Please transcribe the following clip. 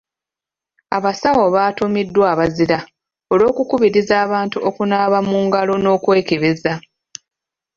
Abasawo batuumiddwa abazira olw'okukubiriza abantu okunaaba mu ngalo n'okwekebeza.